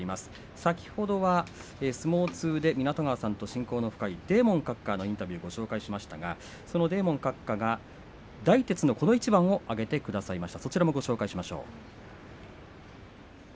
先ほどは相撲通で湊川さんと親交の深いデーモン閣下のインタビューをご紹介しましたがそのデーモン閣下が大徹のこの一番を挙げてくださいました。